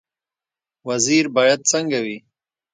وزیر باید څنګه وي؟